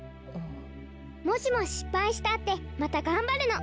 もしもしっぱいしたってまたがんばるの。